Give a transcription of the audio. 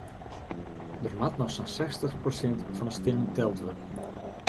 Der moat noch sa'n sechstich prosint fan de stimmen teld wurde.